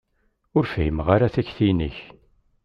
Ur fhimeɣ ara takti-inek.